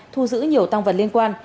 thu giữ nhiều tăng vật liên quan